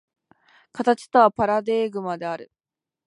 形とはパラデーグマである。